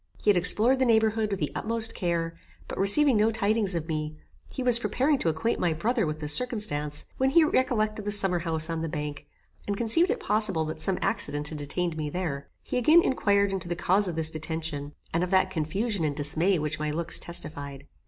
He had explored the neighbourhood with the utmost care, but, receiving no tidings of me, he was preparing to acquaint my brother with this circumstance, when he recollected the summer house on the bank, and conceived it possible that some accident had detained me there. He again inquired into the cause of this detention, and of that confusion and dismay which my looks testified.